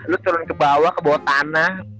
lu turun kebawah kebawah tanah